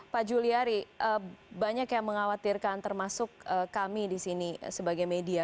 pak juliari banyak yang mengkhawatirkan termasuk kami di sini sebagai media